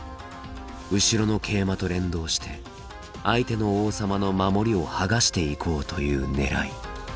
後ろの桂馬と連動して相手の王様の守りを剥がしていこうというねらい。